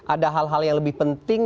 ada hal hal yang lebih penting